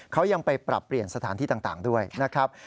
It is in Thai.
เขายังไปปรับเปลี่ยนสถานที่ต่างด้วยนะครับ